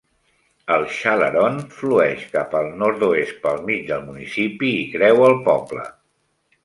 El Chalaronne flueix cap al nord-oest pel mig del municipi y creua el poble.